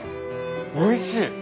おいしい。